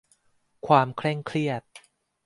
ความเคร่งเครียด